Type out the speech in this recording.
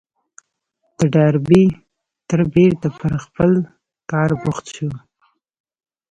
د ډاربي تره بېرته پر خپل کار بوخت شو.